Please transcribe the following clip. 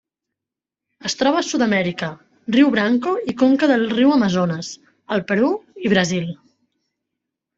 Es troba a Sud-amèrica: riu Branco i conca del riu Amazones al Perú i Brasil.